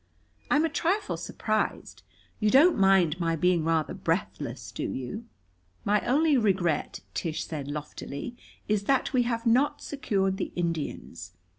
"I'm a trifle surprised. You don't mind my being rather breathless, do you?" "My only regret," Tish said loftily, "is that we have not secured the Indians.